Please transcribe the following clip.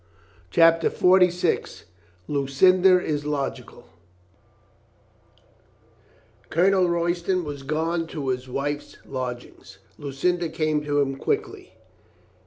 CHAPTER FORTY SIX LUCINDA IS LOGICAL ^~^ OLONEL Royston was gone to his wife's lodg ^^ ings. Lucinda came to him quickly.